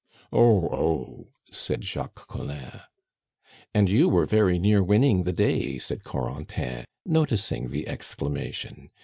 "Oh! Oh!" said Jacques Collin. "And you were very near winning the day!" said Corentin, noticing the exclamation.